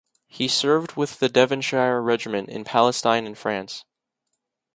He served with the Devonshire Regiment in Palestine and France.